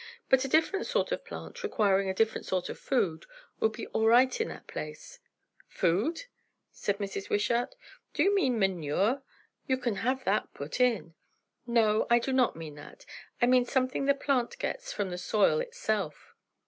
But a different sort of plant requiring a different sort of food, would be all right in that place." "Food?" said Mrs. Wishart. "Do you mean manure? you can have that put in." "No, I do not mean that. I mean something the plant gets from the soil itself."